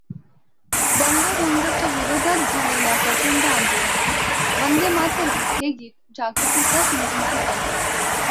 बंग भंगच्या विरोधात झालेल्या प्रचंड आंदोलनात वंदे मातरम् हे गीत जागृतीचा शंखनाद बनले.